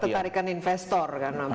pusat ketarikan investor kan apalagi